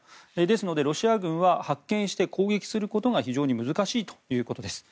ですのでロシア軍は発見して攻撃することが非常に難しいということです。